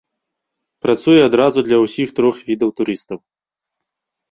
Працуе адразу для ўсіх трох відаў турыстаў.